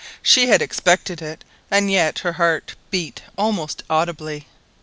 She had expected it, and yet her heart beat almost audibly.